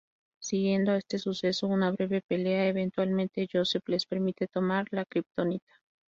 Siguiendo a este suceso una breve pelea, eventualmente, Joseph les permite tomar la kryptonita.